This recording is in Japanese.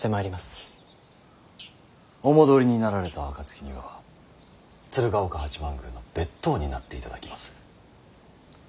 お戻りになられた暁には鶴岡八幡宮の別当になっていただきます。